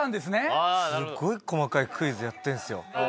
すっごい細かいクイズやってるんですよ。